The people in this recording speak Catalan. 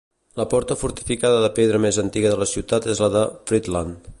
La porta fortificada de pedra més antiga de la ciutat és la de Friedland.